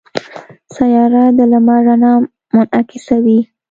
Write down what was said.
سیاره د لمر رڼا منعکسوي.